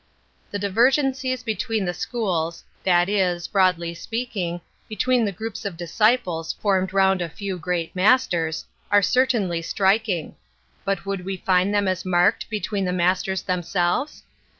The divergencies between the school! — that is, broadly speaking, between, groups of disciples formed roond Metaphysics 89 great masters — ^are certainly striking. But would we find them as marked between the masters themselves?